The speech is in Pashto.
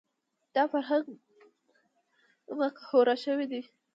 دا فرهنګ مقهور شوی و